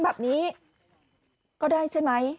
แบบนี้ก็ได้ใช่ไหม